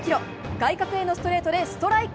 外角へのストレートでストライク。